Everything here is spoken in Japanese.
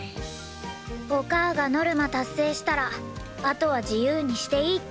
おかあがノルマ達成したらあとは自由にしていいって言ってたよ。